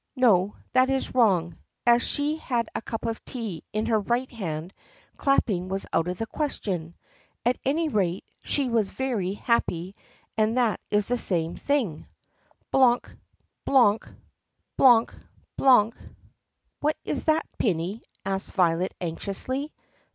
(No, that is wrong. As she had a cup of tea in her right hand, clapping was out of the question. At any rate she was very happy, and that is the same thing.) "BLOONK! BLOONK!" 34 THE PUSSYCAT PRINCESS "BLOONK! BLOONK!" "What is that, Prinny*?" asked Violet anxiously.